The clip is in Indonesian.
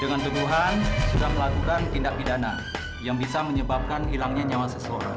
dengan tuduhan sudah melakukan tindak pidana yang bisa menyebabkan hilangnya nyawa seseorang